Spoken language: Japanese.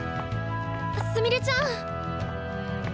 すみれちゃん！